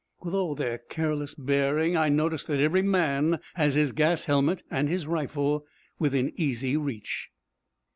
With all their careless bearing I notice that every man has his gas helmet and his rifle within easy reach.